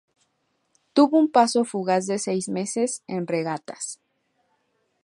Tuvo un paso fugaz de seis meses en Regatas.